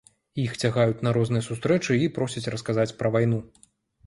Іх цягаюць на розныя сустрэчы і просяць расказаць пра вайну.